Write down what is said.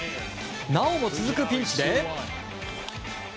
なおも続くピンチで。